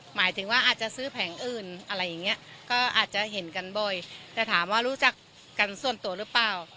หมายถึงว่าอาจจะซื้อแผงอื่นอะไรอย่างเงี้ยก็อาจจะเห็นกันบ่อยแต่ถามว่ารู้จักกันส่วนตัวหรือเปล่า